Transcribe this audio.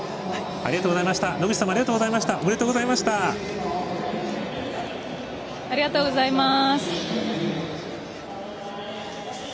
ありがとうございます。